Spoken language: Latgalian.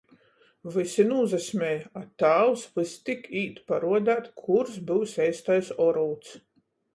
Vysi nūsasmej, a tāvs vystik īt paruodeit, kurs byus eistais orūds.